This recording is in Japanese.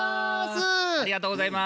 ありがとうございます。